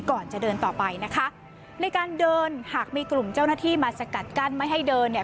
ก่อนจะเดินต่อไปนะคะในการเดินหากมีกลุ่มเจ้าหน้าที่มาสกัดกั้นไม่ให้เดินเนี่ย